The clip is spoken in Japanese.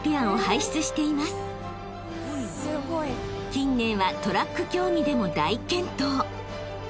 ［近年はトラック競技でも大健闘］